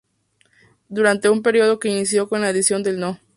Durante un periodo que inicio con la edición del no.